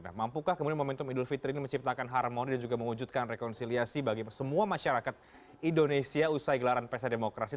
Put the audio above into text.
nah mampukah kemudian momentum idul fitri ini menciptakan harmoni dan juga mewujudkan rekonsiliasi bagi semua masyarakat indonesia usai gelaran pesa demokrasi